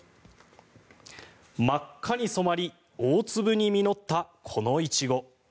真っ赤に染まり大粒に実ったこのイチゴ。